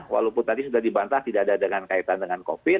walaupun tadi sudah dibantah tidak ada dengan kaitan dengan covid